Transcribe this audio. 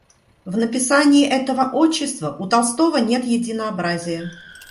В написании этого отчества у Толстого нет единообразия.